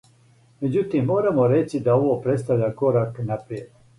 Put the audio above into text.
Меđутим, морамо рећи да ово представља корак напријед.